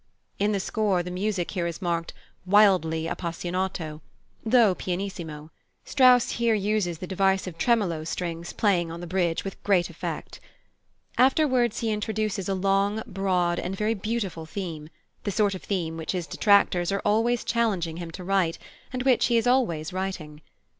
In the score the music here is marked "wildly appassionato," though pianissimo (Strauss here uses the device of tremolo strings playing on the bridge with great effect). Afterwards he introduces a long, broad, and very beautiful theme, the sort of theme which his detractors are always challenging him to write, and which he is always writing.